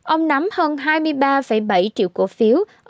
ông nắm hơn hai mươi ba bảy triệu tỷ đồng